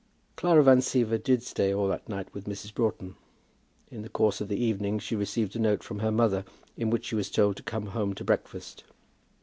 Clara Van Siever did stay all that night with Mrs. Broughton. In the course of the evening she received a note from her mother, in which she was told to come home to breakfast.